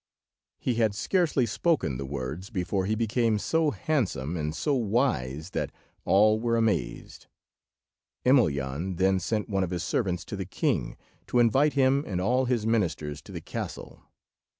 He had scarcely spoken the words before he became so handsome and so wise that all were amazed. Emelyan then sent one of his servants to the king to invite him and all his ministers to the castle.